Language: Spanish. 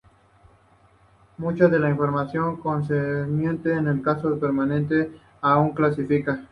Mucha de la información concerniente al caso permanece aún clasificada.